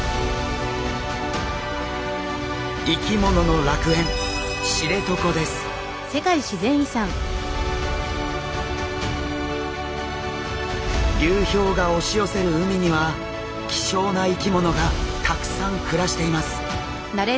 生き物の楽園流氷が押し寄せる海には希少な生き物がたくさん暮らしています。